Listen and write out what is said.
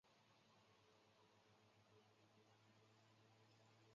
第一次会议结束。